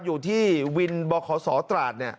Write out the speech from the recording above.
อยู่ที่วินบขศตราดเนี่ย